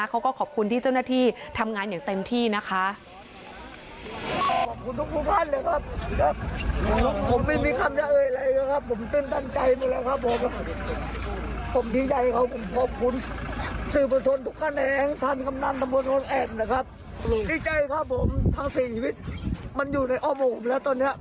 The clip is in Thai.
เขาก็ขอบคุณที่เจ้าหน้าที่ทำงานอย่างเต็มที่นะคะ